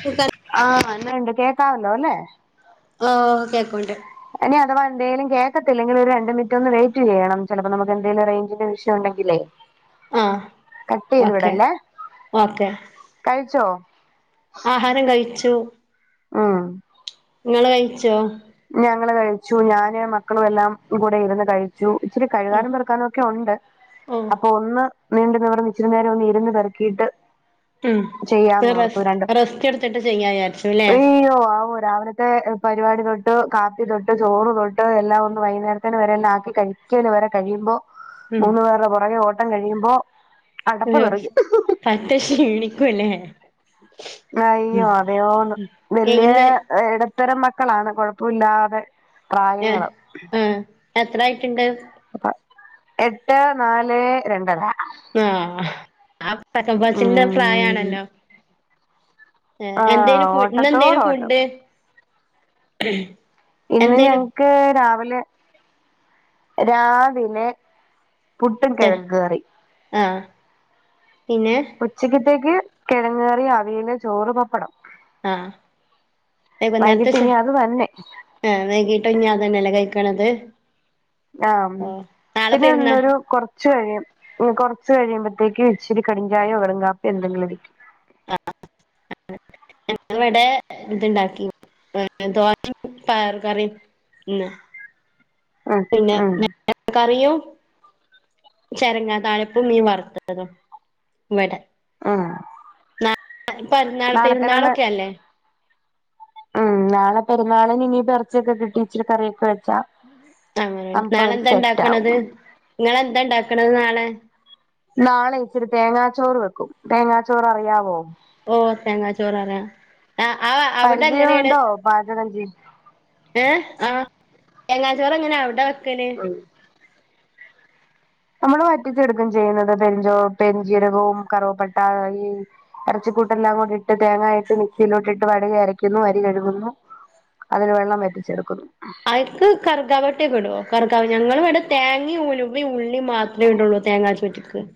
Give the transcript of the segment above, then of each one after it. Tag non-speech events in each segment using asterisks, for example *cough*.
സുഗം ആഹ് എന്നാണ്ട് കേക്കമല്ലോ അല്ലേ ആഹ് കേക്കോണ്ടെ ഇനി അഥവാ എന്തേലും കേൾക്കത്തില്ലെങ്കിൽ ഒരു രണ്ട് മിനിറ്റ് ഒന്ന് വെയിറ്റ് ചെയ്യണം ചിലപ്പോ നമുക്ക് എന്തെലും റേഞ്ചിന്റെ ഇഷ്യൂ ഉണ്ടെങ്കിലേ ആ കട്ട് ചെയ്ത് ഓക്കെ വിടല്ലേ ഓക്കെ കഴിച്ചോ ആഹാരം കഴിച്ചു ഉം നിങ്ങള് കഴിച്ചോ ഞങ്ങള് കഴിച്ചു ഞാന് മക്കളും എല്ലാം കൂടെ ഇരുന്ന് കഴിച്ചു ഇച്ചിരി ഉം കഴുകാനും പെറുക്കാനും ഒക്കെ ഉണ്ട് ഓ അപ്പൊ ഒന്ന് നീണ്ടു നിവർന്ന് ഇച്ചിരി നേരം ഒന്ന് ഇരുന്ന് പിറക്കിയിട്ട് ഉം ചെയ്യാന്ന് ഓർത്തു റെസ് രണ്ട് റെസ്റ്റ് എടുത്തിട്ട് ചെയ്യാ വിചാരിച്ചുല്ലേ അയ്യോ ആവോ രാവിലത്തെ പരിപാടി കാപ്പി തൊട്ട് ചോറ് തൊട്ട് എല്ലാം ഒന്ന് വൈകുന്നേരേത്തേന് വരെ എല്ലാം ആക്കി കഴിക്കല് വരെ കഴിയുമ്പോ ഉം മൂന്ന് പേരുടെ പുറകെ ഓട്ടം കഴിയുമ്പോ അടപ്പ് ഉം തെറിക്കും. പത്ത ക്ഷീണിക്കല അയ്യോ അതെയോന്നു ഏ വല്യ ഇന്ന് ഇടത്തരം മക്കളാണ് കൊഴപ്പമില്ലാതെ ഏഹ് പ്രായങ്ങള്. ആഹ് എത്രായിട്ടുണ്ട് എട്ട് നാല് രണ്ടര ആഹ് ആഹ് പരക്കപാച്ചിന്റെ ഉം പ്രായാണല്ലോ ആഹ് എന്തേനും ഫു ഇന്ന് എന്തേനും ഓട്ടത്തോടോട്ടം. ഫുഡ് ഇന്ന് എന്തേനു ഞങ്ങക്ക് രാവിലെ രാവിലെ പുട്ടും കിഴങ് കറി ആഹ് പിന്നെ ഉച്ചക്കത്തേക്ക് കിഴങ്ങ് കറി അവിയൽ ചോറ് പപ്പടം ആ വൈകിട്ട് ഇനി അത് തന്നെ- ആഹ വൈകിട്ട് ഇഞ്ഞാ അതന്നെല്ല കഴിക്കണത് ആഹ് നാളെ പെരുന്നാ പിന്നൊരു കെ- കുറച്ച് കഴിയും കുറച്ച് കഴിയുമ്പോഴത്തേക്ക് ഇച്ചിരി കടുചായോ കടുക്കാപ്പിയോ എന്തെങ്കിലും ഇരിക്കും. *inaudible* ഇവിടെ ഇതുണ്ടാക്കി ദോശയും പയർ കറിയും ഇന്ന്. ഉം പിന്നെ ഉം കറിയും ചരങ്ങാതാളിപ്പും മീൻ വറുത്തതും ഇവിടെ ഉം പെരുന്നാൾ നാളത്തേനുള്ള പെരുന്നാളൊക്കെ അല്ലേ ഉം നാളെ പെരുന്നാളിന് ഇനി ഇറച്ചിയൊക്കെ കിട്ടി ഇച്ചിരി കറിയൊക്കെ വെച്ചാ അങ്ങനെ അപ്പൊ ഒരു നാളെന്താ സെറ്റ് ഉണ്ടാക്കണത് ആവും നിങ്ങളെന്താ ഉണ്ടാക്കണത് നാളെ നാളെ ഇച്ചിരി തേങ്ങാച്ചോറ് വെക്കും തേങ്ങാച്ചോറ് അറിയാവോ? ഓ തേങ്ങാചോററേ ആഹ് ആഹ് അവിടെ എങ്ങനെയാണ് പരിചയമുണ്ടോ പാചകം ചെയ് ഏഹ് ആഹ് തേങ്ങാച്ചോറ് എങ്ങനാ അവിടെ വക്കല് നമ്മള് വറ്റിച്ചെടുക്കും ചെയ്യുന്നത് പെരിഞ്ചോ പെരുജീരകവും കറുവപ്പട്ട ഈ ഇറച്ചിക്കൂട്ടെല്ലാം കൂടി ഇട്ട് തേങ്ങായിട്ട് മിക്സിയിലോട്ടിട്ട് വടകി അരയ്ക്കുന്നു അരി കഴുകുന്നു. അതില് വെള്ളം വെറ്റിച്ചെടുക്കുന്നു. അതിക്ക് കാർഗാപ്പട്ട ഒക്കെ ഇടുമോ കാർഗപ ഞങ്ങൾ ഇവിടെ തേങ്ങ ഉലുവ ഉള്ളി മാത്രമേ ഇടുയള്ളൂ തേങ്ങ ചോറിക്ക്-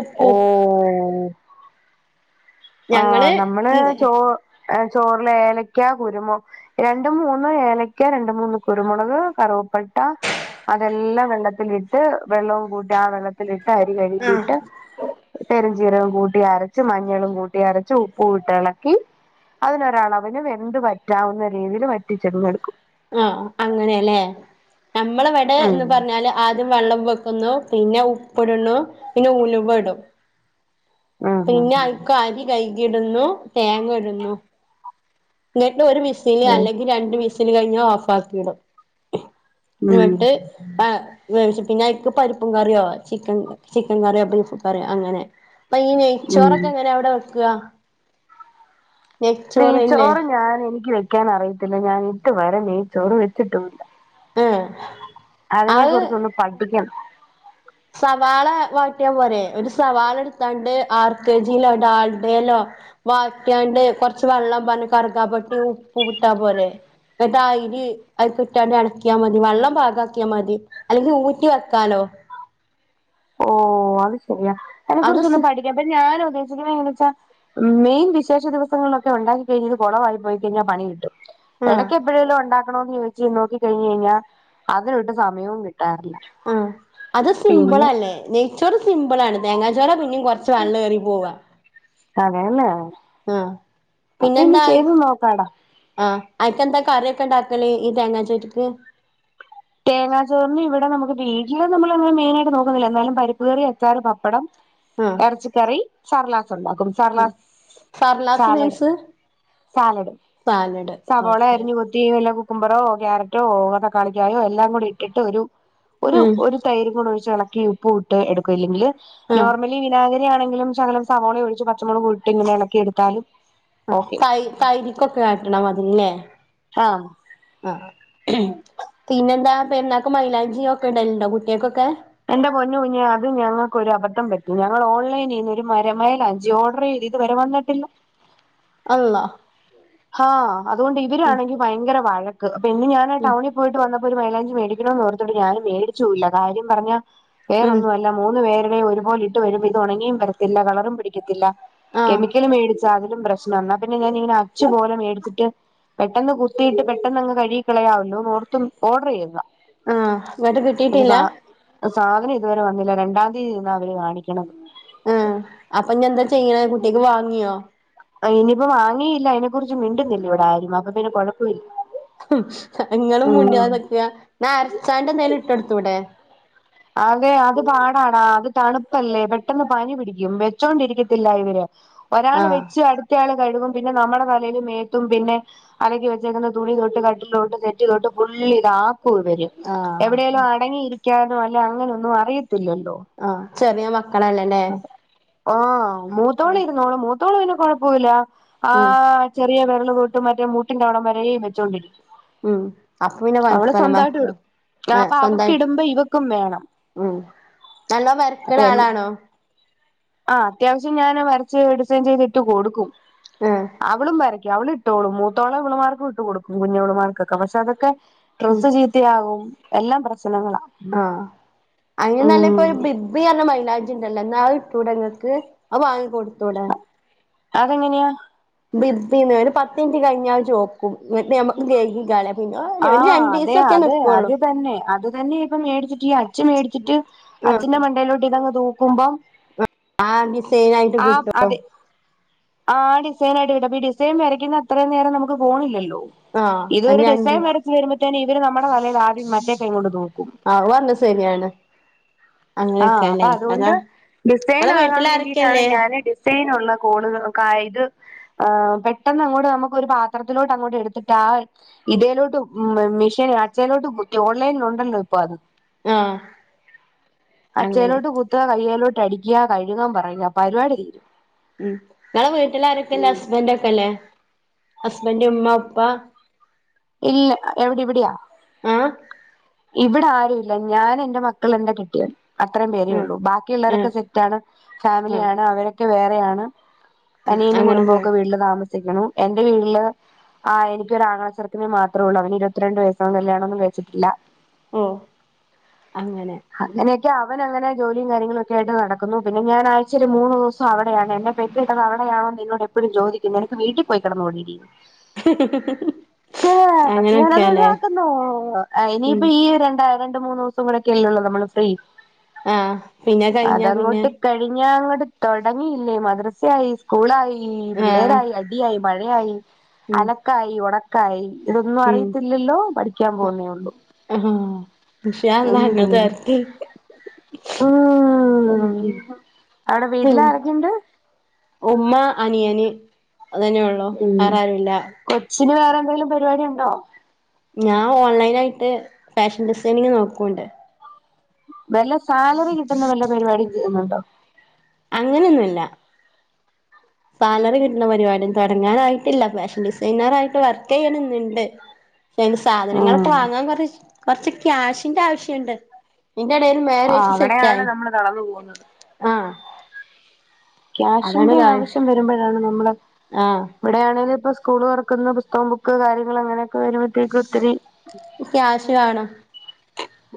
ഉപ്പും ഓഹ് ആഹ് ഞങ്ങള് നമ്മള് ചോ ചോറില് ഏലക്ക കുരുമുള രണ്ട് മൂന്ന് ഏലക്ക രണ്ട് മൂന്ന് കുരുമുളക് കറുവപ്പട്ട അതെല്ലാം വെള്ളത്തിലിട്ട് വെള്ളവും കൂട്ടി ആഹ് വെള്ളത്തിലിട്ട് അരി കഴിക്കിട്ട് പെരിജീരകം കൂട്ടി അരച്ച് മഞ്ഞളും കൂട്ടി അരച്ച് ഉപ്പു ഇട്ടിളക്കി. അതിലൊരു അളവിന് വെന്ത് വറ്റാവുന്ന രീതിയിൽ വറ്റിച്ചങ്ങെടുക്കും. ആഹ് അങ്ങനെയല്ലേ നമ്മളെവിടെ ഉം എന്ന് പറഞ്ഞാല് ആദ്യം വെള്ളം വെക്കുന്നു പിന്നെ ഉപ്പിടുന്നു പിന്നെ ഉലുവ ഇടും. ഉം പിന്നെ ഉം അയിക്ക് അരി കഴുകി ഇടുന്നു തേങ്ങ ഇടുന്നു. എന്നിട്ട് ഒരു വിസില് ഉം അല്ലെങ്കിൽ രണ്ട് വിസിൽ കഴിഞ്ഞാൽ ഓഫ് ആക്കിടും. ഉം എന്നിട്ട് ആഹ് പിന്നേക്ക് പരിപ്പും കറിയോ ചിക്കൻ ചിക്കൻ കറിയോ ബീഫും കറിയോ അങ്ങനെ അപ്പോ ഈ ഉം നെയ്ച്ചോറൊക്കെ എങ്ങനെ അവിടെ വക്കുവാ- നെയ്ച്ചോറ് ഞാൻ എനിക്ക് വെക്കാൻ അറിയത്തില്ല ഞാൻ ഇത് വരെ നെയ്ച്ചോറ് വെച്ചിട്ടില്ല. ആഹ.. *unintelligible* അതിനെ കുറിച്ച് ഒന്ന് പഠിക്കണം. സവാള വാട്ടിയ പോരെ ഒരു സവാള എടുത്താണ്ട് ആർക്കേജിലോ ഡാൾഡയിലോ- വാട്ടിയാണ്ട് കൊറച്ച് വെള്ളം പറഞ്ഞ കറുക്കപ്പട്ടയും ഉപ്പും ഇട്ടാ പോരേ- എന്നിട്ട് അയിന് അയിനിക്കിട്ട് അങ്ങ് ഇളക്കിയാ മതി വെള്ളം പാകാക്കിയാൽ മതി. അല്ലെങ്കിൽ ഊറ്റിവയ്ക്കാലോ - ഓഹ് അത് ശരിയാ അതിനെ അത് കുറിച്ച് ഒന്ന് സു പഠിക്കാൻ അപ്പോ ഞാൻ ഉദ്ദേശിക്കണേ എന്നുവച്ചാ- മെയിൻ വിശേഷദിവസങ്ങളിലൊക്കെ ഒണ്ടാക്കി കഴിഞ്ഞത് കൊളവായി പോയി കഴിഞ്ഞാൽ പണി കിട്ടും. ആ ഇടയ്ക്ക് എപ്പോഴെങ്കിലും ഉണ്ടാക്കണോന്ന് ചോദിച്ച് നോക്കി കഴിഞ്ഞ് കഴിഞ്ഞാൽ അതിനോട്ട് സമയവും കിട്ടാറില്ല. ആഹ് അത് സിമ്പിൾ പിന്നെ അല്ലേ നെയ്ച്ചോറ് സിമ്പിൾ ആണ് തേങ്ങാച്ചോറ് പി- പിന്നെ കൊറച്ച് വെള്ളം കയറി പോവാ- അതെയല്ലേ ആഹ് അപ്പോ ഇനി പിന്നെന്താ ചെയ്ത് നോക്കാടാ ആഹ് അയിക്കെന്താ കറിയൊക്കെ ഇണ്ടാക്കൽ ഈ തേങ്ങാച്ചോറിക്ക്- തേങ്ങാ ചോറിന് ഇവിടെ നമുക്ക് വീട്ടിൽ നമ്മള് അങ്ങനെ മെയിനായിയിട്ട് നോക്കുന്നില്ല എന്നാലും പരിപ്പ് കയറി അച്ചാറ് പപ്പടം- ആഹാ ഇറച്ചിക്കറി സർലാസ് ഒണ്ടാക്കും. സർലാസ് സർലാസ് സാലഡ് മീൻസ് സാലഡ് സാലഡ് സവാള ഓക്കെ അരിഞ്ഞു കൊട് - തീവല്ല കുക്കുംബറോ കാരറ്റോ *unintelligible* തകാളിക്കായോ എല്ലാം കൂടിഇട്ടിട്ട് ഒരുഒരു ഉം ഒ തൈുരുംകൂടെ ഒഴിച്ചു എളക്കി ഉപ്പും അല്ലെങ്കില് ആഹ് നോർമലി വിനാ അങ്ങനെയാണെങ്കിലും ശകലം സവാള ഒഴിച്ചു പച്ചമുളകുംയിട്ട് ഇങ്ങനെ എളക്കിഎടുത്താലും- ആഹ് തൈ തൈരിക്കൊക്കെ ആക്കണ മാതിരിയില്ലേ ആഹ് ആഹ് പിന്നെന്താ പെരുന്നാക്ക് മൈലാഞ്ചിയൊക്കെ ഇടേലയിണ്ടോ കുട്ടികള്ക്കൊക്കേ എന്റെ പൊന്നുകുഞ്ഞേ അത് ഞങ്ങൾക്കൊരു അബദ്ധംപറ്റി ഞങ്ങള് ഓൺലൈനീന്ന് ഒരു മൈലാഞ്ചി ഓഡറ് ചെയ്ത് - ഇത് വരെ വന്നിട്ടില്ല അള്ളാ ആഹ് അതുകൊണ്ട് ഉം ഇവരാണെങ്കി ഭയങ്കര വഴക്ക് പിന്നെ ഞാനാ ഉം ടൗണി - പോയിട്ട് വന്നപ്പോ ഒരു മൈലാഞ്ചി മേടിക്കണോന്നോർതിട്ട് ഞാന് മേടിച്ചൂല്ല കാര്യംപറഞ്ഞ- ഉം വേറൊന്നുയല്ല മൂന്ന്പേരുടെയും ഒരുപോലെയിട്ട് വരുമ്പം ഇത് ഒണങ്ങിയുംവരത്തില്ല കളറുംപിടിക്കത്തില്ല ആഹ് കെമിക്കല് മേടിച്ച അതിലും പ്രശ്നവാ എന്നാ പിന്നെ ഞാനിങ്ങനെ അച്ചുപോലെ മേടിച്ചിട്ട്- പെട്ടെന്ന് കുത്തിയിട്ട് പെട്ടെന്നങ്ങ്കഴുകി കളയാമല്ലോ ഓർത്തും ഓഡർ ചെയ്തതാ ആഹ് എന്നിട്ട് പക്ഷെ കിട്ടീട്ടില്ല സാ സാധനം ഇതുവരെ വന്നില്ല രണ്ടാം തീ എന്നാ അതില് കാണിക്കണത് ആഹ് അപ്പൊ ഇഞ്ഞി എന്താ ചെയ്യ്ണേ കുട്ടിക്ക് വാങ്ങിയോ ഇനിയിപ്പം വാങ്ങിയില്ല അയിനെകുറിച്ച് മിണ്ടുന്നില്ല ഇവിടെ ആരും അപ്പൊപിന്നെ കൊഴപ്പയില്ല ഇങ്ങളും മുണ്ടിയാതൊക്കെ വെച്ചു കഴിഞ്ഞാൽ അരച്ചാണ്ടന്തേലും ഇട്ട് കൊടുത്തൂടെ അതെ അത്പാടാടാ അത് തണുപ്പല്ലേ പെട്ടെന്ന് പനിപിടിക്കും വെച്ചൊണ്ടിരിക്കത്തില്ല ഇവര് ഒരാള് ആഹ് വെച്ച് അടുത്ത ആള് കഴുകും പിന്നെ നമ്മടെ തലേല് മേത്തും പിന്നെ- അലക്കിവെച്ചേക്കുന്ന തുണിതൊട്ട് കട്ടിലോട്ട് സെറ്റിതൊട്ട് ഫുള്ളിത് ആക്കും ഇവര് എവിടേലും ആഹ് അടങ്ങിയിരിക്കാനോ അല്ലേ അങ്ങനൊന്നും അറിയത്തില്ലല്ലോ ആഹ് ചെറിയമക്കളല്ലേ ഇല്ലേ ആഹ് മൂത്തോള് ഇരുന്നോളും മൂത്തോള് പിന്നെ കൊഴപ്പയില്ല ഉം ആഹ് ചെറിലിയ വെരള് തൊട്ട് മറ്റേ മൂട്ടിന്റെ അവിടെവരെയും വെച്ചോണ്ടരിക്കും ഉം അപ്പൊപിന്നെ വയപ്പലന്മാ *unintelligible* രക്ക ആ അപ്പഅവക്ക് ഇടുമ്പോ ഇവക്കും വേണം ഉം നല്ല വരക്ക്ണ അപ്പൊ എല്ല ആളാണോ ആഹ് അത്യാവശ്യം ഞാന് വരച്ച് ഡിസെയിൻ ചെയ്തിട്ട് കൊടുക്കും ഏഹ്. അവളും വരക്കും അവള് ഇട്ടോളും മൂത്തോള് ഇവള്മാർക്കു ഇട്ട്കൊടുക്കും കുഞ്ഞോളുമാർക്കൊക്കെ പക്ഷെ അതൊക്കെ. ഉം ഡ്രസ്സ് ചീത്തയാകും എല്ലാം പ്രശ്നങ്ങളാ. ആഹ് അങ്ങനെ അല്ലെ ഉം ഇപ്പൊരു ബി ഗ്ബി പറഞ്ഞ മൈലാഞ്ചിയുണ്ടല്ലോ ന്നാ ആഹ് ഇട്ടൂടെ ഇങ്ങക്ക് അത് വാങ്ങി കൊടുത്തൂടെ. അത് എങ്ങന്യാ? ബിഗ്ബിന്നോ അയിന്പത്ത് മിനിറ്റ് കഴിഞ്ഞാല് അയ് ചോമക്കും ഇങ്ങട്ട് ഞമ്മക്ക് കെഴുകികളയാം. ആഹ് അതെ അതെ അത് തന്നെ അത് തന്നെ. ഇപ്പം മേടിച്ചിട്ട് ഈ അച്ച് മേടിച്ചിട്ട് ആഹ് അച്ചിന്റെ മണ്ടയിലോട്ട് ഇതങ്ങ് തൂക്കുമ്പം. ആഹ് ഡിസൈയിനായിട്ട് കിട്ടും. ആഹ് ഡിസൈനായിട്ട് കിട്ടു അപ്പ ഈ ഡിസൈൻ വരക്കുന്ന അത്രനേരം നമുക്ക് പോണില്ലല്ലോ? ആഹ് അന്ന് ഞാ ഡിസൈൻ വരച്ച് വരുമ്പതേന് ഇവര് നമ്മടെ തലേല് ആദ്യം മറ്റേ കൈകൊണ്ട് തൂക്കും. അത് പറഞ്ഞത്. സെരിയാണ്. ആഹ് അപ്പൊ അതുകൊണ്ട് ഇങ്ങളെ ഡിസൈനാകാൻ വീട്ടില് വേണ്ടിട്ടാണ് ആരൊക്കെല്ലേ ഞാന് ഡി സൈനുള്ള കോള്കളൊക്കെ ആയത്. ആഹ് പെട്ടെന്ന്അങ്ങോട്ട് നമുക്കൊരുപാത്രത്തിലോട്ട് അങ്ങോട്ട് എടുത്തിട്ടാ ആഹ്. ഇതേലോട്ട് മീഷീന് അച്ചേലോട്ട് മൂക്കി ഓൺലൈൻലുണ്ടല്ലോ ഇപ്പൊ അത്. ആഹ്. അങ്ങനെ അച്ചേലോട്ട് കുത്തുക കയ്യേലോട്ട് അടിക്കുക കഴുകാൻ പറയാ പരിപാടി തീരും. ഉം നിഞങ്ങളെ വീട്ടിലാരൊക്കെയാ ഉള്ളേ ഉം ഹസ്ബൻഡ് ഒക്കെ യില്ലേ ഹസ്ബൻഡ്, ഉമ്മ, ഉപ്പ. ഇല്ല എവിടെ ഇവിടെയാ ആഹ് ഇവിട ആരും ഇല്ല. ല്ല ഞാന് എന്റെ മക്കള്, എന്റെ കെട്ടിയോൻ. അത്രയും പേരേ ഉം ഉള്ളൂ ബാക്കിയു ഉം ള്ളവരൊക്കെ സെറ്റ് ആണ് ആഹ് ഫാമിലിയാണ് അവരൊക്കെ വേറെയാണ്. ഉം അനിയനും അങ്ങനെ പോയി കുടുംബൊക്കെ വീട്ടില് താമസിക്ക്ണു എന്റെ വീട്ടില് ആഹ് എനിക്ക് ഒരു അങ്ങള ചെറുക്ക നു മാത്രേ ഉള്ളൂ അവന് ഇരുപത്തി രണ്ട് വയസ്സ് അവൻ കല്യാണമൊന്നും കഴിച്ചിട്ടില്ല. ഓഹ് അങ്ങനെ. അങ്ങനെയൊക്കെ അവൻ അങ്ങനെ ജോലിയും കാര്യങ്ങളൊക്കെ ആയിട്ട് നടക്കുന്നു പിന്നെ ഞാൻ ആഴ്ച്ചേ ഒരു മൂന്ന് ദിവസം. അവിടെയാണ് എന്നെ പെറ്റിട്ടത് അവിടെയാണോന്ന് എന്നോട് എപ്പോഴും ചോദിക്കുന്നു നിനക്ക് വീട്ടിൽ പോയി കിടന്നുടെടീ. ആഹാ അഹ് ഏഹ് പക്ഷെ ഞാൻ അത് ഒഴിവാക്കുന്നു ഉം ഇനിയിപ്പോ ഈ രണ്ട് രണ്ട് മൂന്ന് ദിവസം. കൂടിയൊക്കെള്ളോ നമ്മള് ഫ്രീ ആഹ് പിന്നെ കഴിഞ്ഞാ പിന്നെ അതങ്ങോട്ട്. കഴിഞ്ഞ അങ്ങോട്ട് തുടങ്ങിയില്ലേ മദ്രസയായി. സ്കൂളായി, ആഹ് പിള്ളേരായി, അടിയായി, മഴയായി, ഉം അലക്കായി, ഉണക്കാ ക്കായ ഇതൊന്നും ഉം അറിയത്തില്ലല്ലോ പഠിക്കാൻ പോന്നേ ഉള്ളൂ. വിഷായങ്ങതർത്തി. ഉം അവിടെ വീട്ടിൽ ഉം. ആരൊക്കെയുണ്ട് ഉമ്മ, അനിയന് അതന്നെ ഉള്ളു ഉം വേറെ ആരും ഇല്ല. കൊച്ചിന് വേറെ എന്തെങ്കിലും പരിപാടി ഉണ്ടോ? ഞാൻ ഓൺലൈൻ ആയിട്ട് ഫാഷൻ ഡിസൈനിങ് നോക്കോണ്ട്. വല്ല സാലറി കിട്ടുന്ന വല്ല പരിപാടി ചെയ്യുന്നുണ്ടോ? അങ്ങനെയൊന്നുമില്ല. സാലറി കിട്ടുന്ന പരിപാടി തുടങ്ങാനായിട്ടില്ല ഫാഷൻ ഡിസൈനറ് ആയിട്ട് വർക്ക് ചെയ്യണന്നുണ്ട്. അയിന് സാധനങ്ങളൊക്കെ ഉം വാങ്ങാൻ കൊറ കൊറച്ച് ക്യാഷിന്റെ ആവശ്യം ഇണ്ട്. ഇതിന്റെ ഇടേല് ആ മാരേജ് സെറ്റ് അവിടെയാണ് ആയി. നമ്മള് തളർന്നു പോകുന്നത് അതാണ് ക്യാഷിന്റെ കാര്യം ആവശ്യം വരുമ്പോഴാണ് നമ്മള്. ആഹ് ഇവിടെയാണെങ്കില് ഇപ്പോ സ്കൂള് തുറക്കുന്നു പുസ്തകം, ബുക്ക്, കാര്യങ്ങള് അങ്ങനെയൊക്കെ വരുമ്പ ത്തേക്ക് ഒത്തിരി ക്യാഷ് വേണം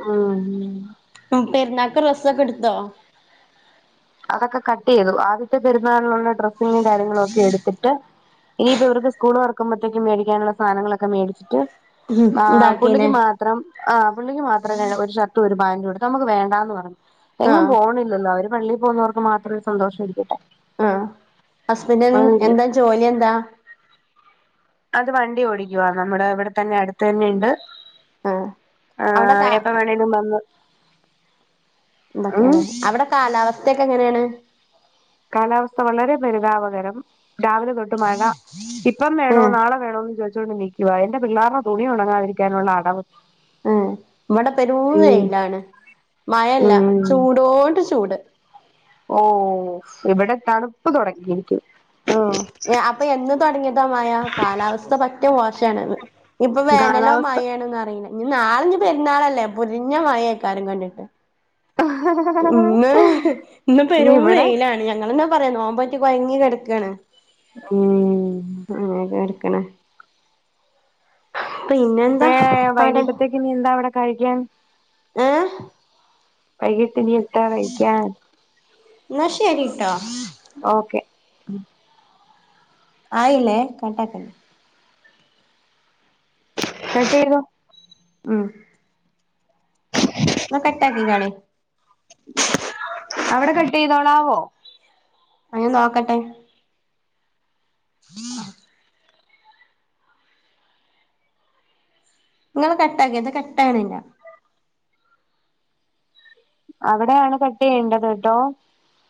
ഉം. ഉം പെരുന്നാള്ക്ക് ഡ്രസ്സോക്കെ എടുത്തോ? അതൊക്കെ കട്ട് ചെയ്തു. ആദ്യത്തെ പെരുന്നാളിലുള്ള- ഡ്രസ്സിങ്ങും, കാര്യങ്ങളും ഒക്കെ എടുത്തിട്ട്- ഇനിയിപ്പ ഇവർക്ക് സ്കൂൾ തു- റക്കുമ്പോഴത്തേക്കും മേടിക്കാനുള്ള സാധങ്ങളൊക്കെ മേടിച്ചിട്ട് പുള്ളിക്ക് ഇതാക്കീല്ലേ മാ- മാത്രം ആ പുള്ളിക്ക് മാത്രമേ ഒരു ഷട്ടും ഒരു പാൻറ് എടുത്തു, നമുക്ക് വേണ്ടന്ന് പറഞ്ഞു. എങ്ങും ആഹ് പോണില്ലല്ലോ, അവര് പള്ളിൽ പോകുന്നവർക്ക്- മാത്രമേ സന്തോഷംമായിരിക്കട്ടെ. ആഹാ ഹസ്ബൻഡന് എന്താ ജോലി, എന്താ? അത് വണ്ടി ഓടിക്കവാ നമ്മുടെ- ഇവിടെ തന്നെ അടുത്ത് തന്നേണ്ട്. ആഹ് അവിടെ ആഹ കാ എപ്പ വേണേലും വന്നു. എന്തൊക്കെയതെ അവിടെ- കാലാവസ്ഥയൊക്കെ- എങ്ങനെയാണ്. കാലാവസ്ഥ വളരെ പെരിതാപകരം. രാവിലെ തൊട്ട് മഴ, ഇപ്പം വേണോ- ഉം നാളെ- വേണോന്ന് ചോദിച്ചുകൊണ്ട് നക്കുവാ. എന്റെ പിള്ളേരുടെ തുണി ഉണങ്ങാതിരിക്കാനുള്ള അടവ്. നമ്മടെ പെരും ഉം വേയിലാണ്, മഴല്ല ഉം ചൂടോണ്ട്, ചൂട്. ഓ ഇവിടെ തണുപ്പ് തുടങ്ങിയിരിക്. ഓ അപ്പോ എന്ന് തുടങ്ങിയതാ മയാ? കാലാവസ്ഥ പറ്റും മോശഅന്ന്. ഇപ്പോ വേനലോ, കാലാവസ്ഥ മഴയാണന്ന- അറിയില്ലൻ, നാളെ പെരുന്നാളല്ലേ? പരിഞ്ഞ മഴയൊക്കാരും കണ്ടിട്ട്. ഇന്ന് ഇന്ന് ഇനി പെരും ഇവിടെ വെയിലാണ്, ഞങ്ങൾ പറയാ നോൻബ് നെറ്റ്- കൊഴങ്ങി കിടക്കാണ്. ഉം ഉം.. അങ്ങനെയൊക്കെ എടുക്കണ. പിന്നെ എന്താ പാട്? പിന്നെ എന്താ കഴിക്കാൻ? ഹേ... വൈകിട്ട്നി എന്താ കഴിക്കാൻ? എന്നാ ശരിട്ടോ ഓക്കെ. ആഹ ഇല്ലേ കണ്ടാക്കല്. *unintelligible* ഉം ഉം. ന കട്ടാക്കിക്കളി. അവിടെ കട്ട് ചെയ്തോളാവോ? ആഹാ നോക്കട്ടെ. *inaudible* നിങ്ങള് കട്ടാക്കിന്താ, കട്ടാകണില്ലാ. അവിടെയാണ് കട്ട് ചെയ്യേണ്ടത് ട്ടോ.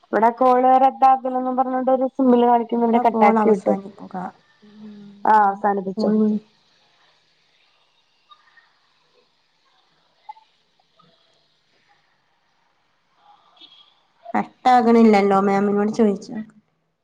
ഇവിടെ കോള് റെദ്ധാകണമെന്ന്- പറഞ്ഞൊണ്ടൊരു സിമ്പല് കാണി- ണ്ട് പിന്നെന്താ ഇവിടെ കോൾ കട്ടാക്കിയിട്ട്- അവസാനിക്കുക ആഹാ അവസാനിപ്പിച്ചോ. Call cut ആകണില്ലല്ലോ? മാമിനോട് ചോദിച്ചോക്കാ.